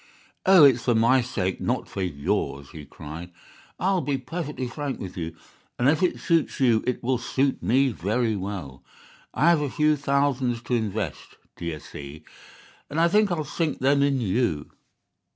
"'Oh, it's for my sake, not for yours,' he cried. 'I'll be perfectly frank with you, and if it suits you it will suit me very well. I have a few thousands to invest, d'ye see, and I think I'll sink them in you.